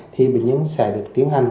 thì bệnh nhân sẽ được tiến hành